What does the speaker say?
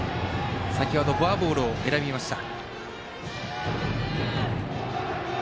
先ほどフォアボールを選びました。